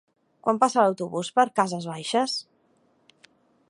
Quan passa l'autobús per Cases Baixes?